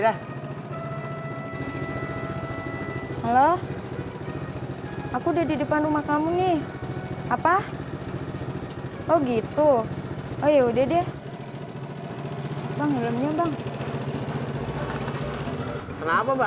halo aku udah di depan rumah kamu nih apa oh gitu oh ya udah deh